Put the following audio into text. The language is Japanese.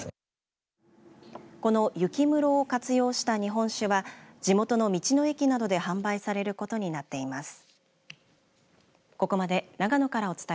この雪室を活用した日本酒は地元の道の駅などで販売されることになっています。